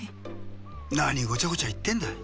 なにごちゃごちゃいってんだ。